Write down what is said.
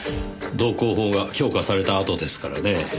道交法が強化されたあとですからねぇ。